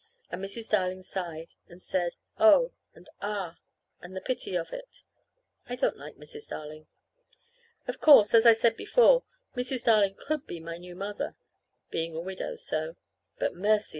And Mrs. Darling sighed, and said, oh, and ah, and the pity of it. I don't like Mrs. Darling. Of course, as I said before, Mrs. Darling could be my new mother, being a widow, so. But, mercy!